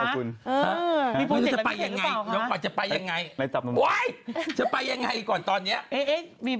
เขามีนักกินข้าวกันนะคะวันนี้